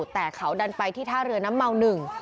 แต่เขาดันไปที่ท่าเรือน้ำเมาหนึ่ง